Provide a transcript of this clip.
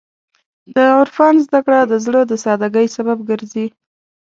د عرفان زدهکړه د زړه د سادګۍ سبب ګرځي.